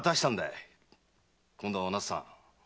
今度はお奈津さん